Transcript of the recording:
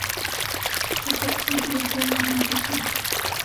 Jacobs es director de la revista "Esquire".